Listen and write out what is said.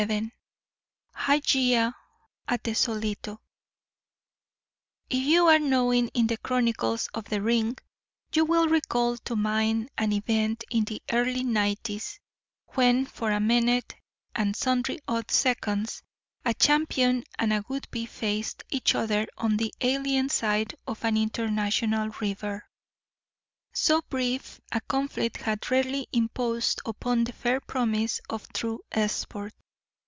VII HYGEIA AT THE SOLITO If you are knowing in the chronicles of the ring you will recall to mind an event in the early 'nineties when, for a minute and sundry odd seconds, a champion and a "would be" faced each other on the alien side of an international river. So brief a conflict had rarely imposed upon the fair promise of true sport.